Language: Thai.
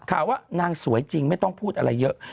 ข่าวว่านางสวยจริงไม่ต้องพูดอะไรเยอะ